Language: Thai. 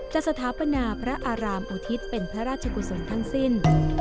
สถาปนาพระอารามอุทิศเป็นพระราชกุศลทั้งสิ้น